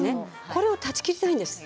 これを断ち切りたいんです。